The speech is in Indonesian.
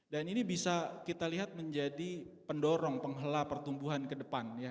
dan ini bisa kita lihat menjadi pendorong penghela pertumbuhan ke depan ya